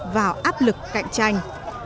vào áp lực cạnh tranh